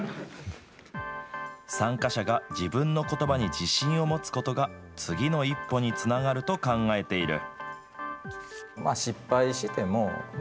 参加者が自分のことばに自信を持つことが、次の一歩につながると考えている。